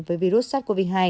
với virus sars cov hai